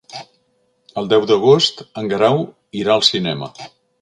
El deu d'agost en Guerau irà al cinema.